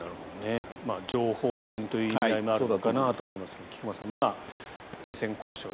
情報戦という意味合いもあるのかなと思いますが菊間さん、停戦交渉